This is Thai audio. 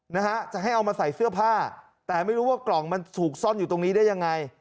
นะฮะจะให้เอามาใส่เสื้อผ้าแต่ไม่รู้ว่ากล่องมันถูกซ่อนอยู่ตรงนี้ได้ยังไง